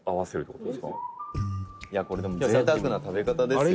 「これでも贅沢な食べ方ですよ」